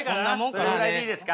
それぐらいでいいですか？